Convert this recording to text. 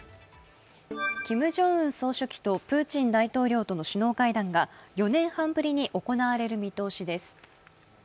キム・ジョンウン総書記とプーチン大統領との首脳会談が４年半ぶりに行われる見通しです。